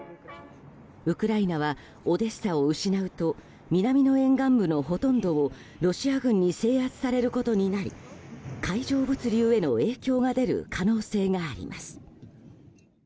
ウクライナはオデッサを失うと南の沿岸部のほとんどをロシア軍に制圧されることになり海上物流への影響が出る可能性があります。